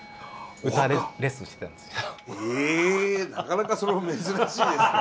なかなかそれも珍しいですね。